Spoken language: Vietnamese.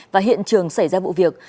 và hiện trường xảy ra vụ việc